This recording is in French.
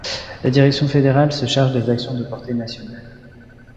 La direction fédérale se charge des actions de portée nationale.